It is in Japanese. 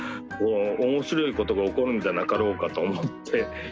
面白いことが起こるんじゃなかろうかと思っています